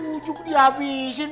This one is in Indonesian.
ujuk di habisin